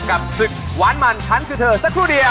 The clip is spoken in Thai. กับศึกหวานมันฉันคือเธอสักครู่เดียว